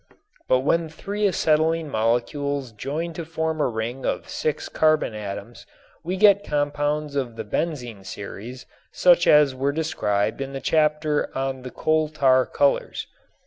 But when three acetylene molecules join to form a ring of six carbon atoms we get compounds of the benzene series such as were described in the chapter on the coal tar colors.